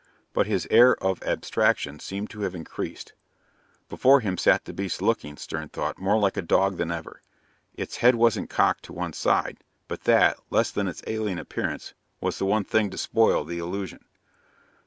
But his air of abstraction seemed to have increased. Before him sat the beast, looking, Stern thought, more like a dog than ever. Its head wasn't cocked to one side, but that, less than its alien appearance, was the one thing to spoil the illusion.